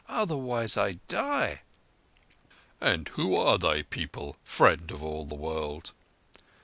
Otherwise I die!" "And who are thy people, Friend of all the World?"